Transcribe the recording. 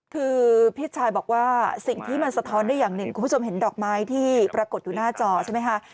คือพี่ชายบอกว่าสิ่งที่มันสะท้อนได้อย่างหนึ่งคุณผู้ชมเห็นดอกไม้ที่ปรากฏอยู่หน้าจอใช่ไหมคะ